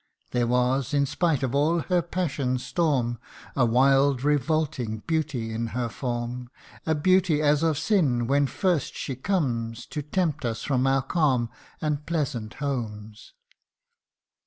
There was, in spite of all her passion's storm, A wild revolting beauty in her form ; A beauty as of sin, when first she comes To tempt us from our calm and pleasant homes.